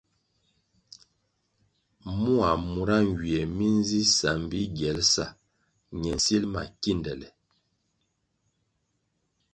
Mua mura nywie mi nzi sambi giel sa ñe nsil ma kindele.